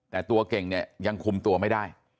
แต่ตัวเก่งเนี่ยยังคุมตัวไม่ได้